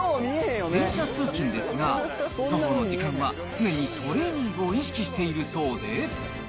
電車通勤ですが、徒歩の時間は常にトレーニングを意識しているそうで。